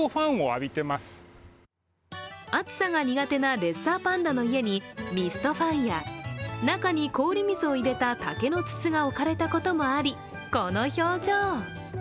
暑さが苦手なレッサーパンダの家に中に氷水を入れた竹の筒が置かれたこともアリコの表情。